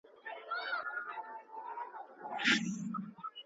جینټیکي معاینات چيري ترسره کیږي؟